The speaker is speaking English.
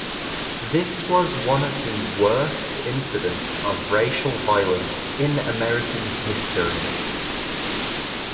This was one of the worst incidents of racial violence in American history.